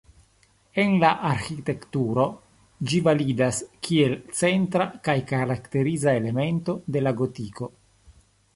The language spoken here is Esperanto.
En la arĥitekturo ĝi validas kiel centra kaj karakteriza elemento de la gotiko.